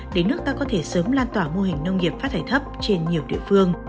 để nước ta có thể sớm lan tỏa mô hình nông nghiệp phát thải thấp trên nhiều địa phương